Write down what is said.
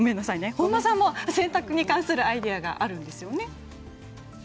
本間さんも洗濯に関するアイデアがあるんですね。